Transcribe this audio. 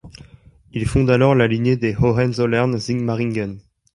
Il fonde alors la lignée des Hohenzollern-Sigmaringen.